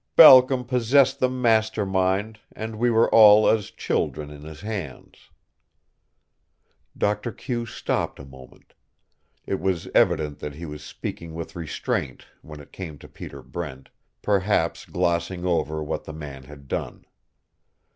Balcom possessed the master mind and we were all as children in his hands." Doctor Q stopped a moment. It was evident that he was speaking with restraint when it came to Peter Brent, perhaps glossing over what the man had done.